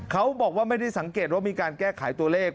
เขาบอกว่าไม่ได้สังเกตว่ามีการแก้ไขตัวเลข